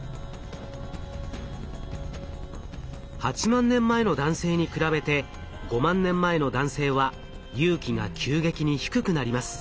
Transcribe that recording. ８万年前の男性に比べて５万年前の男性は隆起が急激に低くなります。